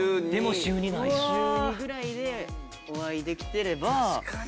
週２ぐらいでお会いできてれば。